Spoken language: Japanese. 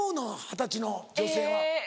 二十歳の女性は。え？